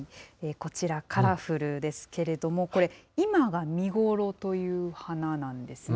こちら、カラフルですけれども、これ、今が見頃という花なんですね。